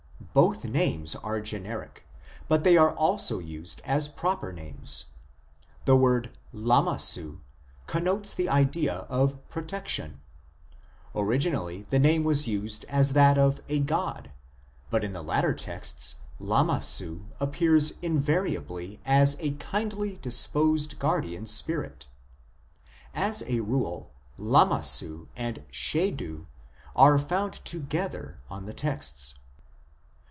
Both names are generic, but they are also used as proper names. The word Lamassu connotes the idea of " protection "*; originally the name was used as that of a god ; but in the later texts Lamassu appears invariably as a kindly disposed guardian spirit. As a rule Lamassu and Shedu are found together on the texts.